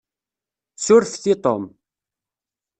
Surfet i Tom.